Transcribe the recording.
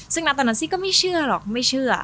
ซึ่งนะตอนนั้นซี่ก็ไม่เชื่อหรอกไม่เชื่อ